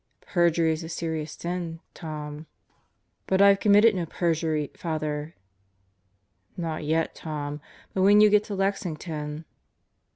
"Perjury is a serious sin, Tom." "But I've committed no perjury, Father." "Not yet, Tom, But when you get to Lexington